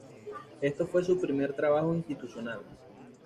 Esto fue su primer trabajo institucional.